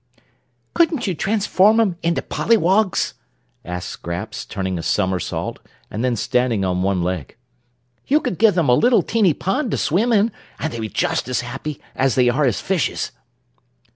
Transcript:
"Couldn't you transform 'em into polliwogs?" asked Scraps, turning a somersault and then standing on one leg. "You could give them a little, teeny pond to swim in, and they'd be just as happy as they are as fishes."